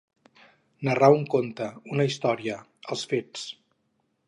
Narrar un conte, una història, els fets.